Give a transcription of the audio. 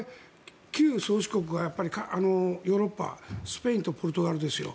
旧宗主国がヨーロッパスペインとポルトガルですよ。